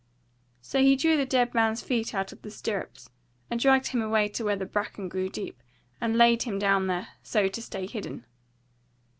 So he drew the dead man's feet out of the stirrups, and dragged him away to where the bracken grew deep, and laid him down there, so to say hidden.